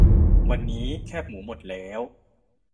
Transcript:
วันนี้แคบหมูหมดแล้ว